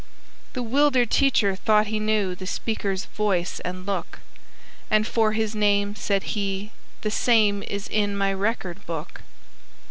The 'wildered teacher thought he knew The speaker's voice and look, "And for his name," said he, "the same Is in my record book."